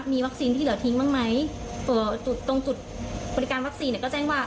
มีวัคซีนที่เหลือทิ้งบ้างไหมเอ่อจุดตรงจุดบริการวัคซีนเนี่ยก็แจ้งว่า